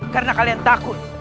karena kalian takut